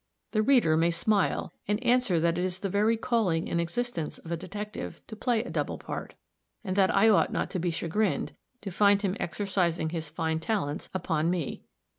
The reader may smile, and answer that it is the very calling and existence of a detective to play a double part; and that I ought not to be chagrined to find him exercising his fine talents upon me.